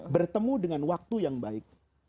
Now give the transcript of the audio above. bertemu dengan waktu yang baik